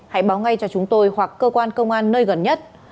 hãy báo ngay cho chúng tôi hoặc cơ quan công an nơi gần nhất